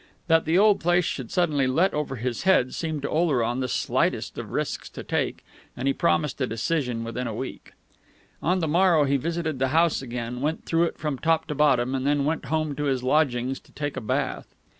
That the old place should suddenly let over his head seemed to Oleron the slightest of risks to take, and he promised a decision within a week. On the morrow he visited the house again, went through it from top to bottom, and then went home to his lodgings to take a bath.